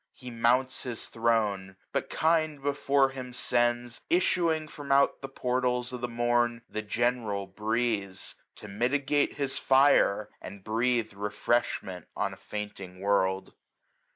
, He mounts his throne; but kind before him sends. Issuing from out the portals of the morn, 640 The general Breeze } to mitigate his fire. And breathe refreshment on a fainting world.